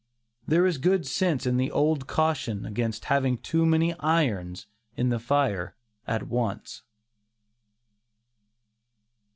There is good sense in the old caution against having too many irons in the fire at once.